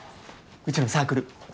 うちのサークル。